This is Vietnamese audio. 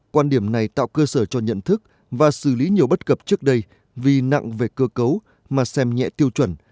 quan điểm này tạo cơ sở cho nhận thức và xử lý nhiều bất cập trước đây vì nặng về cơ cấu mà xem nhẹ tiêu chuẩn